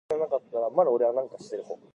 "It's hard to articulate", he said.